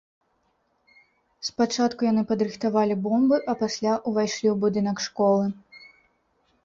Спачатку яны падрыхтавалі бомбы, а пасля ўвайшлі ў будынак школы.